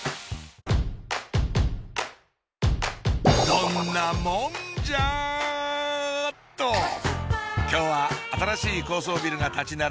どんなもんじゃ！っと今日は新しい高層ビルが立ち並ぶ